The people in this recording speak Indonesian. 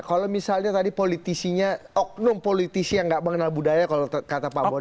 kalau misalnya tadi politisinya oknum politisi yang nggak mengenal budaya kalau kata pak boni